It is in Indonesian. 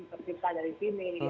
persipta dari sini